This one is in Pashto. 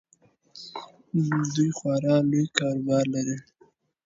دوی خورا لوی کاروبار لري.